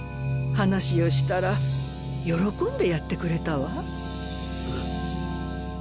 話をしたら喜んでやってくれたわ。